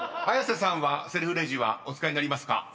［綾瀬さんはセルフレジはお使いになりますか？］